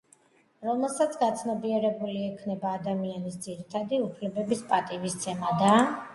რომელსაც გაცნობიერებული ექნება ადამიანის ძირითადი უფლებების პატივისცემა და